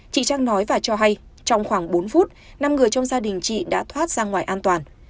chị trang nói và cho hay trong khoảng bốn phút năm người trong gia đình chị đã thoát ra ngoài an toàn